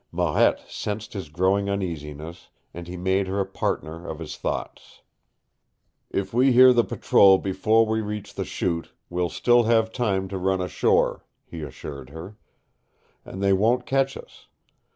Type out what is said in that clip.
Marette sensed his growing uneasiness, and he made her a partner of his thoughts. "If we hear the patrol before we reach the Chute, we'll still have time to run ashore," he assured her. "And they won't catch us.